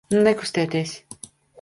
Nekustēties!